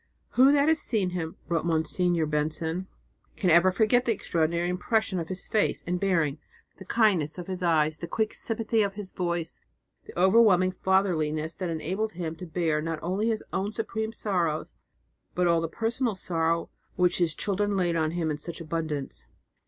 "Who that has seen him," wrote Monsignor Benson, "can ever forget the extraordinary impression of his face and bearing, the kindness of his eyes, the quick sympathy of his voice, the overwhelming fatherliness that enabled him to bear not only his own supreme sorrows, but all the personal sorrow which his children laid on him in such abundance?"